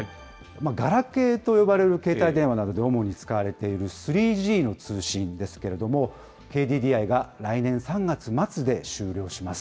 ガラケーと呼ばれる携帯電話などで主に使われている３Ｇの通信ですけれども、ＫＤＤＩが来年３月末で終了します。